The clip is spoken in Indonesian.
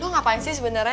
lo ngapain sih sebenernya